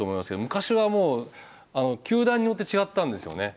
昔はもう球団によって違ったんですよね